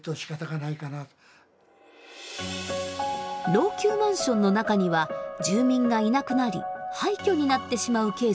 老朽マンションの中には住民がいなくなり廃虚になってしまうケースも出ています。